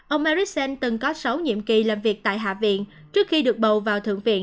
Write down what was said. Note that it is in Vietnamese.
ông marissen từng có sáu nhiệm kỳ làm việc tại hạ viện trước khi được bầu vào thượng viện